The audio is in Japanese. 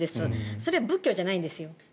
それは仏教じゃないんです。